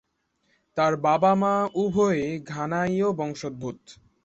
তার বাবা-মা উভয়েই ঘানায়ীয় বংশোদ্ভূত।